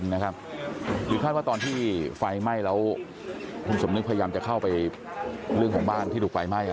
มันเป็นความสูญเสียที่ยิ่งใหญ่มากหนูไม่มีพ่อ